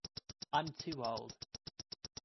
I'm too old.